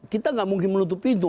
kita nggak mungkin menutup pintu